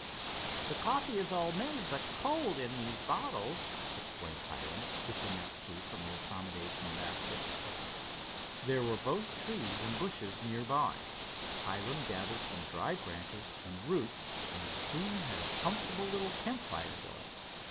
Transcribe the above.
"The coffee is all made, but cold, in these bottles," explained Hiram, fishing out two from the accommodation basket. There were both trees and bushes near by. Hiram gathered some dry branches and roots and soon had a comfortable little campfire going.